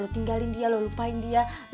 tinggalin dia lo lupain dia